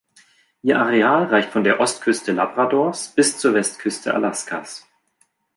Ihr Areal reicht von der Ostküste Labradors bis zur Westküste Alaskas.